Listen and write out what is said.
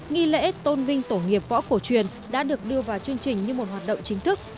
nghi lễ tôn vinh tổ nghiệp võ cổ truyền đã được đưa vào chương trình như một hoạt động chính thức